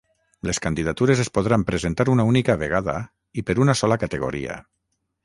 Les candidatures es podran presentar una única vegada i per una sola categoria.